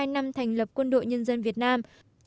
bảy mươi hai năm thành lập quân đội nhân dân việt nam